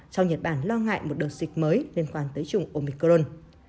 cho nhật bản lo ngại một đợt dịch mới liên quan tới chủng omicron